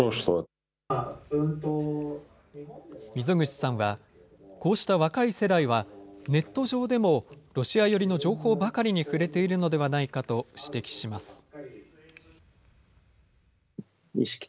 溝口さんは、こうした若い世代はネット上でもロシア寄りの情報ばかりに触れているのではないかと指摘します。